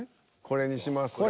これにしますか？